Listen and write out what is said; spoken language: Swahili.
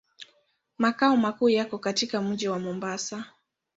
Makao makuu yako katika mji wa Mombasa.